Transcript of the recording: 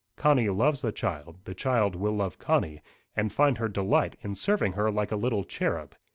Connie loves the child: the child will love Connie, and find her delight in serving her like a little cherub.